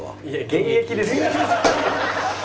現役ですか。